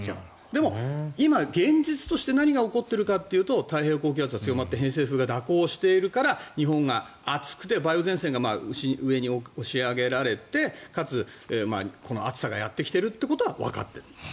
でも今、現実として何が起こってるかというと太平洋高気圧が強まって偏西風が蛇行しているから日本が暑くて梅雨前線が上に押し上げられてかつ、暑さがやってきているっていうことはわかっている。